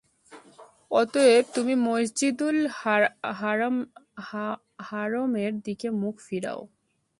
অতএব, তুমি মসজিদুল হারমের দিকে মুখ ফিরাও।